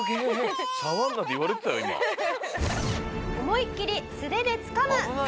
思いきり素手でつかむ！